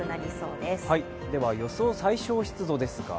では予想最小湿度です。